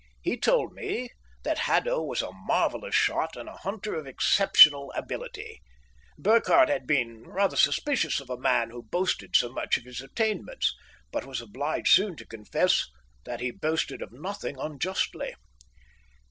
He told me that Haddo was a marvellous shot and a hunter of exceptional ability. Burkhardt had been rather suspicious of a man who boasted so much of his attainments, but was obliged soon to confess that he boasted of nothing unjustly.